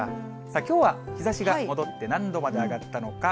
きょうは日ざしが戻って、何度まで上がったのか。